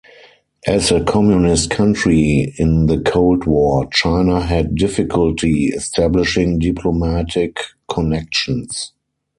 As a communist country in the Cold War, China had difficulty establishing diplomatic connections.